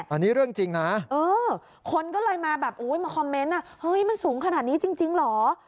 อันนี้เรื่องจริงนะคนก็เลยมาแบบมาคอมเมนต์เฮ้ยมันสูงขนาดนี้จริงเหรอ